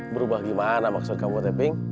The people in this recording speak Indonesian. berubah gimana maksud kamu tapping